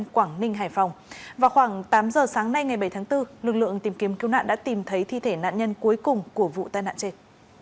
khoảng tám giờ sáng nay ngày bảy tháng bốn lực lượng tìm kiếm cứu nạn đã tìm thấy thi thể nạn nhân cuối cùng của vụ tai nạn trên